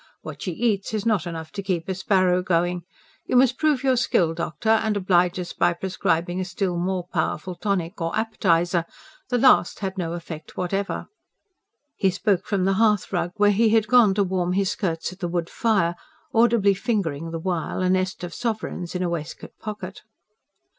"What she eats is not enough to keep a sparrow going. You must prove your skill, doctor, and oblige us by prescribing a still more powerful tonic or appetiser. The last had no effect whatever." He spoke from the hearthrug, where he had gone to warm his skirts at the wood fire, audibly fingering the while a nest of sovereigns in a waistcoat pocket.